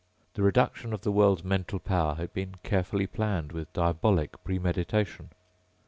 The reduction of the world's mental power had been carefully planned with diabolic premeditation.